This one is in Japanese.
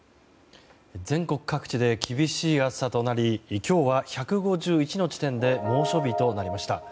全国各地で厳しい暑さとなり今日は１５１の地点で猛暑日となりました。